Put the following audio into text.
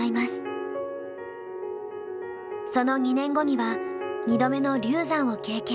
その２年後には２度目の流産を経験。